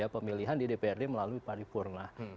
pemilihan di dprd melalui paripurna